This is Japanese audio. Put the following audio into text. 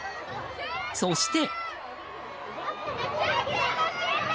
そして。